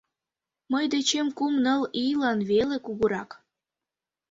Мый дечем кум-ныл ийлан веле кугурак.